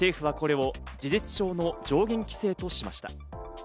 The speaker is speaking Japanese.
政府はこれを事実上の上限規制としました。